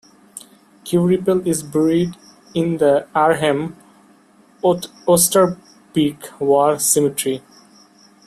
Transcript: Queripel is buried in the Arnhem Oosterbeek War Cemetery.